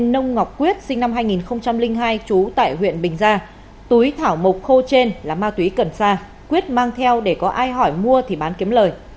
nông ngọc quyết sinh năm hai nghìn hai trú tại huyện bình gia túi thảo mộc khô trên là ma túy cần xa quyết mang theo để có ai hỏi mua thì bán kiếm lời